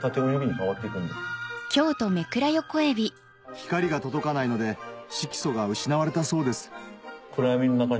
光が届かないので色素が失われたそうです